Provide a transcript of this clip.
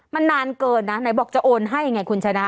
มันนานเกินนะไหนบอกจะโอนให้ไงคุณชนะ